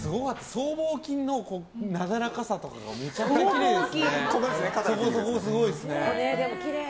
僧帽筋のなだらかさとかめちゃくちゃきれいですね。